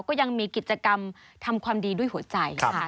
ก็ยังมีกิจกรรมทำความดีด้วยหัวใจค่ะ